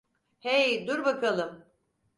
Hey, dur bakalım.